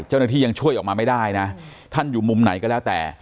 เจ้าหน้าที่ยังช่วยออกมาไม่ได้นะท่านอยู่มุมไหนก็แล้วแต่